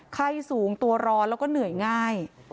ไข้สูงตัวร้อนแล้วก็เหนื่อยง่าย